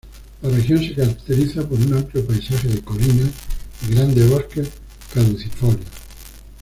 La región se caracteriza por un amplio paisaje de colinas y grandes bosques caducifolios.